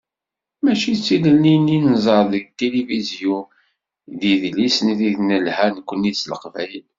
Mačči d tilelli-nni i nẓer deg tilifizyu d yidlisen i deg d-nelha nekkni s leqbayel.